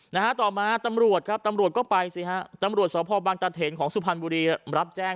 นะฮะต่อมาตำรวจครับตำรวจก็ไปสิฮะตำรวจสพบังตะเถนของสุพรรณบุรีรับแจ้ง